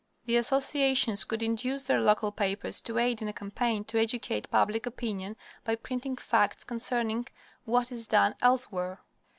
The associations could induce their local papers to aid in a campaign to educate public opinion by printing facts concerning what is done elsewhere.